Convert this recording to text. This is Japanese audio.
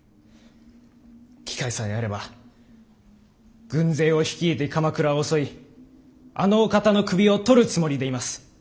機会さえあれば軍勢を率いて鎌倉を襲いあのお方の首を取るつもりでいます。